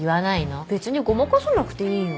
べつにごまかさなくていいよ。